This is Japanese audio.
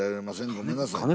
ごめんなさい」。